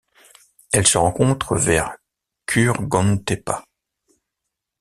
Elle se rencontre vers Qurghonteppa.